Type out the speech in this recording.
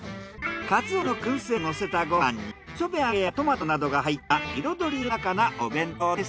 カツオのくん製をのせたご飯に磯辺揚げやトマトなどが入った彩り豊かなお弁当です。